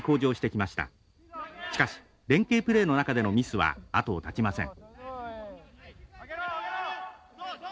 しかし連係プレーの中でのミスは後を絶ちません。